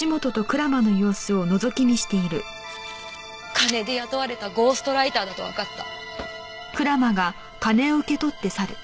金で雇われたゴーストライターだとわかった。